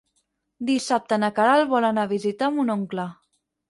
Dissabte na Queralt vol anar a visitar mon oncle.